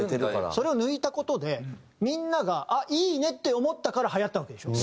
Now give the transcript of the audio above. それを抜いた事でみんながあっいいね！って思ったからはやったわけでしょ？